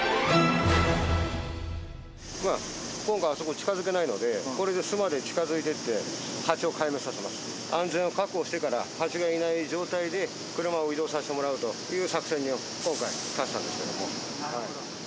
今回あそこ近づけないので安全を確保してからハチがいない状態で車を移動させてもらうという作戦を今回立てたんですけども。